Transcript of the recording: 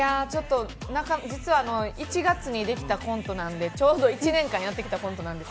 実は１月にできたコントなのでちょうど１年間やってきたコントなんです。